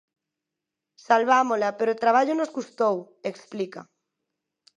"Salvámola pero traballo nos custou", explica.